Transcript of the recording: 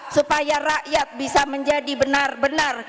supaya rakyat bisa menjadi benar benar